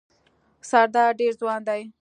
سردار ډېر ځوان دی.